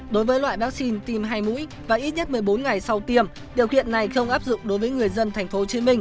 đối với loại vaccine tiêm hai mũi và ít nhất một mươi bốn ngày sau tiêm điều kiện này không áp dụng đối với người dân tp hcm